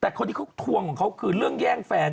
แต่คนที่เขาทวงของเขาคือเรื่องแย่งแฟน